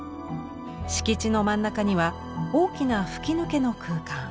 敷地の真ん中には大きな吹き抜けの空間。